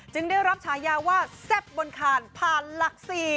ได้รับฉายาว่าแซ่บบนคานผ่านหลัก๔